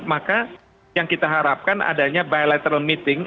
maka yang kita harapkan adanya bilateral meeting